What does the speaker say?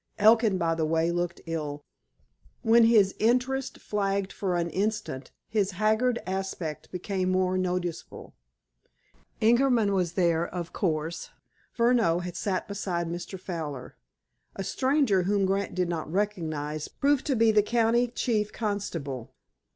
Elkin, by the way, looked ill. When his interest flagged for an instant his haggard aspect became more noticeable. Ingerman was there, of course. Furneaux sat beside Mr. Fowler. A stranger, whom Grant did not recognize, proved to be the County Chief Constable.